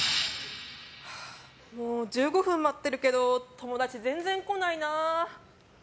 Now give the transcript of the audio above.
もう１５分待ってるけど友達全然来ないな。